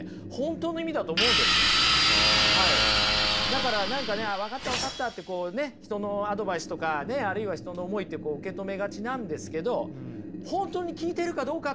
だから何かね分かった分かったってこうね人のアドバイスとかねあるいは人の思いってこう受け止めがちなんですけど本当に聞いてるかどうかってことなんですよね！